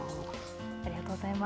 ありがとうございます。